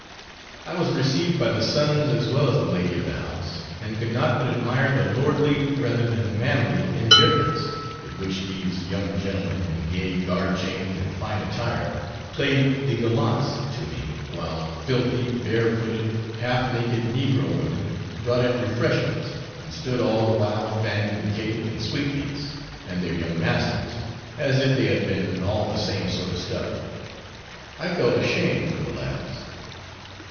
I was received by the sons as well as the lady of the house, and could not but admire the lordly rather than manly indifference, with which these young gentlemen, in gay guard chains and fine attire, played the gallants to me, while filthy, bare footed half naked negro women brought in refreshments, and stood all the while fanning the cake, and sweetmeats, and their young masters, as if they had been all the same sort of stuff. I felt ashamed for the lads.